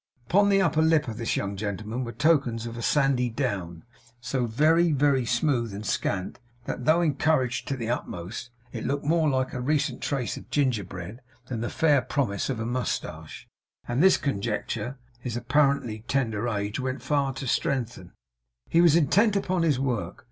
Upon the upper lip of this young gentleman were tokens of a sandy down; so very, very smooth and scant, that, though encouraged to the utmost, it looked more like a recent trace of gingerbread than the fair promise of a moustache; and this conjecture, his apparently tender age went far to strengthen. He was intent upon his work.